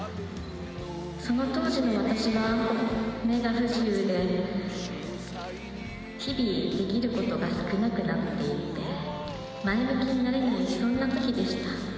その当時の私は、目が不自由で、日々、できることが少なくなっていって、前向きになれない、そんなときでした。